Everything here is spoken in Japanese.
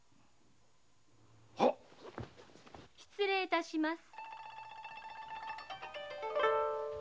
・失礼いたします。